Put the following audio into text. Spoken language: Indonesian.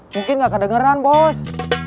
mungkin gak kedengeran bos